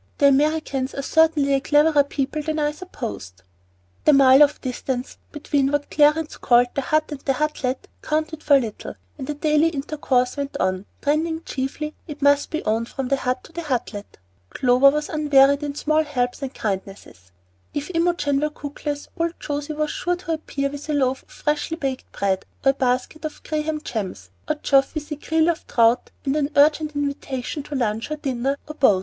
The Americans are certainly a cleverer people than I supposed." The mile of distance between what Clarence called "the Hut and the Hutlet" counted for little, and a daily intercourse went on, trending chiefly, it must be owned, from the Hut to the Hutlet. Clover was unwearied in small helps and kindnesses. If Imogen were cookless, old José was sure to appear with a loaf of freshly baked bread, or a basket of graham gems; or Geoff with a creel of trout and an urgent invitation to lunch or dinner or both.